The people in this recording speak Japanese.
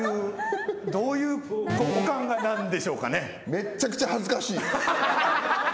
めっちゃくちゃ恥ずかしい。